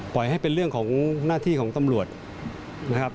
ปล่อยให้เป็นเรื่องของหน้าที่ของตำรวจนะครับ